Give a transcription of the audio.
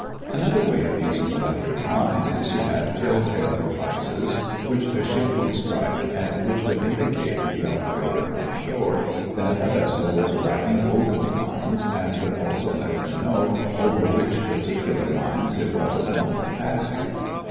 Another way of using electric mines is to have telltale devices which a ship would strike and which would indicate to the operator on shore that a vessel was riding over the mines and would also let him know over which particular mines it was at the moment passing.